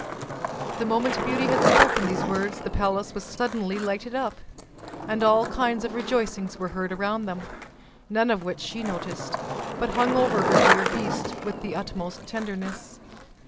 The moment Beauty had spoken these words, the palace was suddenly lighted up, and all kinds of rejoicings were heard around them, none of which she noticed, but hung over her dear beast with the utmost tenderness.